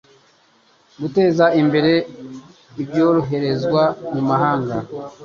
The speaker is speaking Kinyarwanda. guteza imbere ibyoherezwa mu mahanga